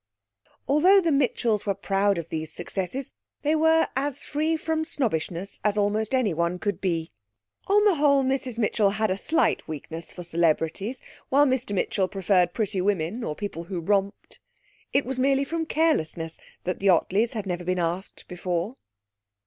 Although the Mitchells were proud of these successes they were as free from snobbishness as almost anyone could be. On the whole Mrs Mitchell had a slight weakness for celebrities, while Mr Mitchell preferred pretty women, or people who romped. It was merely from carelessness that the Ottleys had never been asked before.